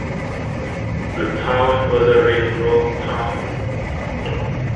The town was a Railroad town.